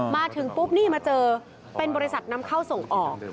มาถึงปุ๊บนี่มาเจอเป็นบริษัทนำเข้าส่งออก